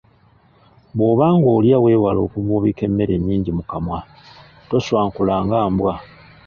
Bw’oba ng’olya weewale okuvuubiika emmere ennyingi mu kamwa, tonswankula nga mbwa.